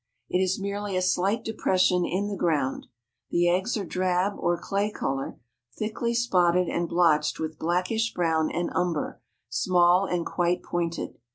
It is merely a slight depression in the ground. The eggs are drab or clay color, thickly spotted and blotched with blackish brown and umber, small and quite pointed.